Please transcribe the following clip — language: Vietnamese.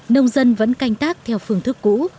nông dân vẫn canh tác theo phương thức cũ